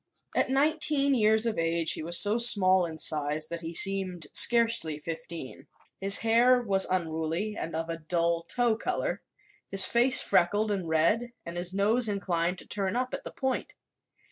At nineteen years of age he was so small in size that he seemed scarcely fifteen. His hair was unruly and of a dull tow color, his face freckled and red and his nose inclined to turn up at the point.